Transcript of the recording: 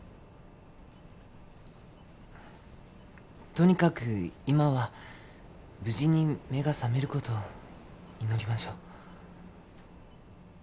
とにかく今は無事に目が覚めることを祈りましょう。